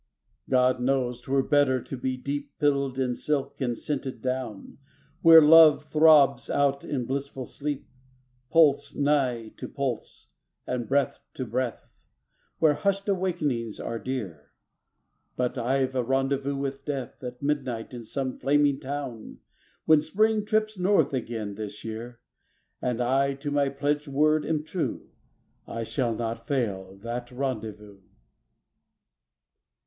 God knows 'twere better to be deep Pillowed in silk and scented down, Where Love throbs out in blissful sleep, Pulse nigh to pulse, and breath to breath, Where hushed awakenings are dear ... But I've a rendezvous with Death At midnight in some flaming town, When Spring trips north again this year, And I to my pledged word am true, I shall not fail that rendezvous.